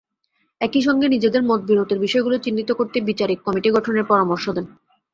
একই সঙ্গে নিজেদের মতবিরোধের বিষয়গুলো চিহ্নিত করতে বিচারিক কমিটি গঠনের পরামর্শ দেন।